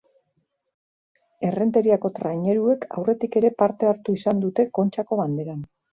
Errenteriako traineruek aurretik ere parte hartu izan dute Kontxako Banderan.